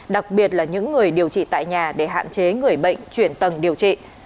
đặc biệt là những người điều trị tại nhà để hạn chế người bệnh chuyển tầng điều trị